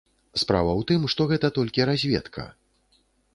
Справа ў тым, што гэта толькі разведка.